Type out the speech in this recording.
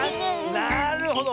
なるほど。